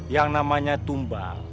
yang namanya tumba